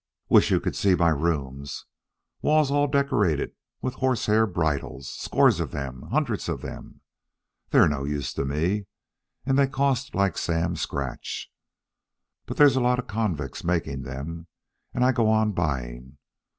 "Wish you could see my rooms. Walls all decorated with horsehair bridles scores of them hundreds of them. They're no use to me, and they cost like Sam Scratch. But there's a lot of convicts making them, and I go on buying.